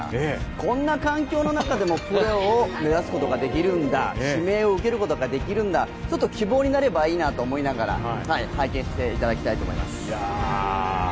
こんな環境の中でもプロを目指すことができるんだ指名を受けることができるんだ、ちょっと希望になればいいなと思いながら、拝見していただきたいと思います。